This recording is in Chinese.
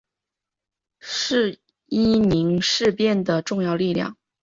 是伊宁事变的重要力量。